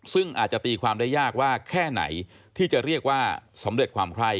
ซึ่งอาจจะตีความได้ยากว่าแค่ไหนที่จะเรียกว่าสำเร็จความไคร้